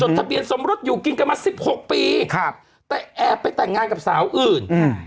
ทะเบียนสมรสอยู่กินกันมาสิบหกปีครับแต่แอบไปแต่งงานกับสาวอื่นอืม